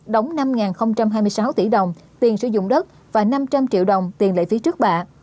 đóng năm hai mươi sáu tỷ đồng tiền sử dụng đất và năm trăm linh triệu đồng tiền lệ phí trước bạ